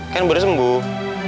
kan baru sembuh